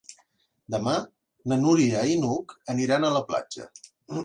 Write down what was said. Demà na Núria i n'Hug aniran a la platja.